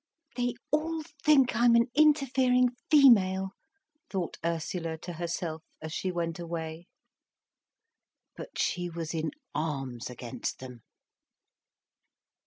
"They all think I'm an interfering female," thought Ursula to herself, as she went away. But she was in arms against them.